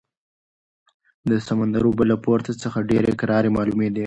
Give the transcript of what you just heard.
د سمندر اوبه له پورته څخه ډېرې کرارې معلومېدې.